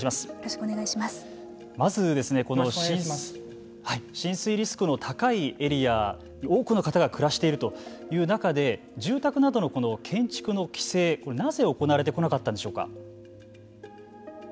まず、この浸水リスクの高いエリアに多くの方が暮らしているという中で住宅などの建築の規制なぜ行われてこなかったんでしょうか。